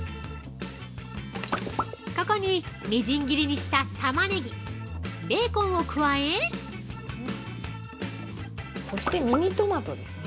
ここに、みじん切りにしたタマネギ、ベーコンを加え◆そして、ミニトマトですね。